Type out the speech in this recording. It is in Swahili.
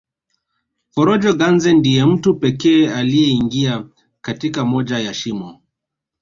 Forojo Ganze ndiye mtu pekee aliyeingia katika moja ya shimo